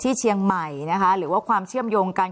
เชียงใหม่นะคะหรือว่าความเชื่อมโยงกัน